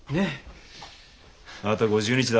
あと５０日だ。